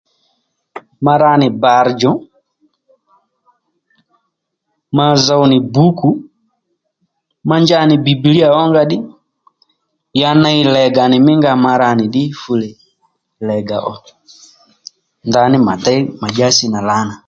Ma ra nì bàr djò ma zow nì bǔkù ma nja nì bibilia ó nga ddí ya ney lèga nì mí nga ò ma ra nì ddí fule lega ò ndaní mà déy mà dyási nà lǎnà